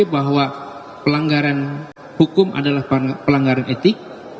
bahwa pelanggaran hukum adalah pelanggaran etik